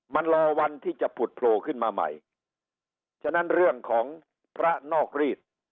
มันรอวันที่จะผุดโผล่ขึ้นมาใหม่ฉะนั้นเรื่องของพระนอกรีด